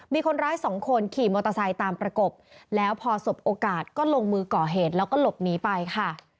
มีคนร้ายสองคนขี่มอเตอร์ไซค์ตามประกบแล้วพอสบโอกาสก็ลงมือก่อเหตุแล้วก็หลบหนีไปค่ะ